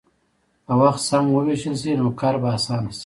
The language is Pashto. که وخت سم ووېشل شي، نو کار به اسانه شي.